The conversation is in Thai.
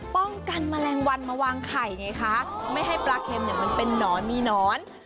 ป้องกันแมลงวันมาวางไข่ไงคะไม่ให้ปลาเค็มเนี่ยมันเป็นนอนมีหนอน